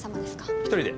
１人で。